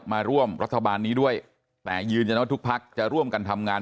มาร่วมรัฐบาลนี้ด้วยแต่ยืนยันว่าทุกพักจะร่วมกันทำงาน